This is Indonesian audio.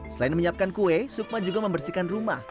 selain menyiapkan kue sukma juga membersihkan rumah